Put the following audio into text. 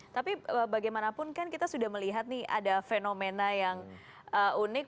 tapi bagaimanapun kan kita sudah melihat nih ada fenomena yang unik